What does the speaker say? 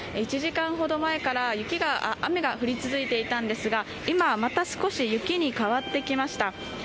１時間ほど前から雨が降り続いていたんですが今、また少し雪に変わってきました。